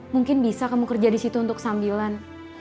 mungkin bisa kamu kerja disitu untuk sambilan